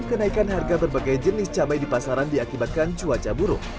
kenaikan harga berbagai jenis cabai di pasaran diakibatkan cuaca buruk